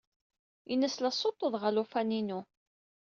Ini-as la ssuṭṭuḍeɣ alufan-inu.